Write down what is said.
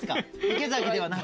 池崎ではなく？